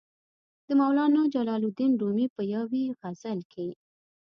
د مولانا جلال الدین رومي په یوې غزل کې.